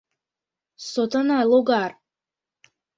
— Сотана логар!